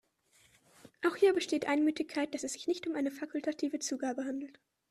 Auch hier besteht Einmütigkeit, dass es sich nicht um eine fakultative Zugabe handelt.